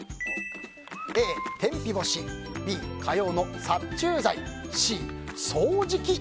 Ａ、天日干しＢ、蚊用の殺虫剤Ｃ、掃除機。